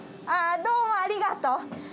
どうもありがとう？